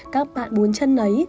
các bạn muốn chân nấy